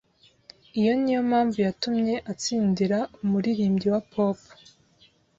Iyi niyo mpamvu yatumye atsindira umuririmbyi wa pop.